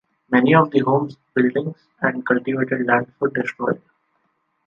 Many of the homes, buildings and cultivatable lands were destroyed.